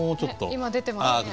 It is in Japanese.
今出てますね。